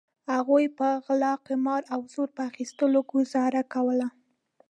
هغوی په غلا قمار او زور په اخیستلو ګوزاره کوله.